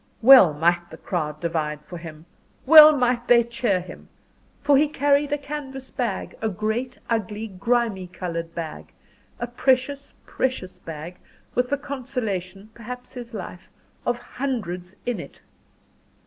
Well might the crowd divide for him well might they cheer him. For he carried a canvas bag a great, ugly, grimy coloured bag a precious, precious bag, with the consolation perhaps the life of hundreds in it!